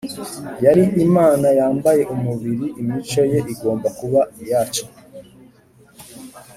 yari imana yambaye umubiri imico ye igomba kuba iyacu